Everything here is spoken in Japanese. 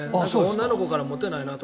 女の子からモテないなと。